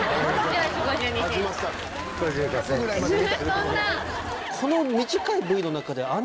そんな。